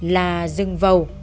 là rừng vầu